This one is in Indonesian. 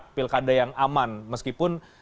atau ada yang aman meskipun